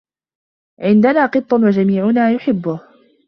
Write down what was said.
عندنا قط و جميعنا يحبه.